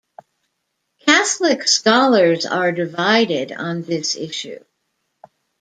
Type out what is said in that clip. Catholic scholars are divided on this issue.